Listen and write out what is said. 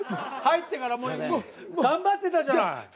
入ってから頑張ってたじゃない。